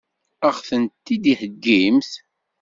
Ad ɣ-ten-id-heggimt?